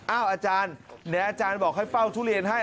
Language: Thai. อาจารย์เดี๋ยวอาจารย์บอกให้เฝ้าทุเรียนให้